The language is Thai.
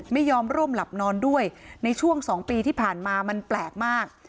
ไม่ยอมร่วมหลับนอนด้วยในช่วง๒ปีที่ผ่านมามันแปลกมาก